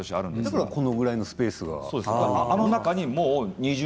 みんな、このぐらいのスペースが？